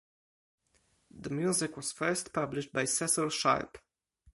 The music was first published by Cecil Sharp.